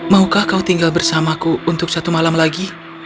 maukah kau tinggal bersamaku untuk satu malam lagi